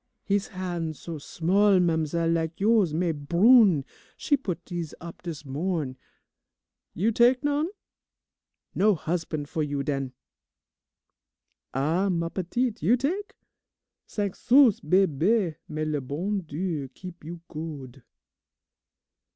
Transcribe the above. He's hans' so small, ma'amzelle, lak you's, mais brune. She put dese up dis morn'. You tak' none? No husban' fo' you den! "Ah, ma petite, you tak'? Cinq sous, bebe, may le bon Dieu keep you good!